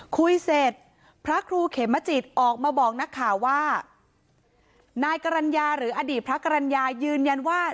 คุยเสร็จพระครูเขมจิตออกมาบอกนักข่าวว่านายกรรณญาหรืออดีตพระกรรณญายืนยันว่า